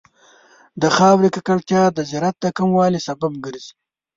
د خاورې ککړتیا د زراعت د کموالي سبب ګرځي.